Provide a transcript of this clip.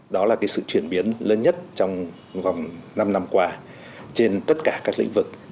đó là cái sự chuyển biến lớn nhất trong vòng năm năm qua trên tất cả các lĩnh vực